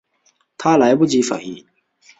她来不及反应